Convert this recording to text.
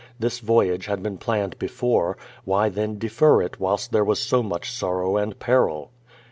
This voyage had been planned before, why then' defer it whilst there was so much sorrow and peril?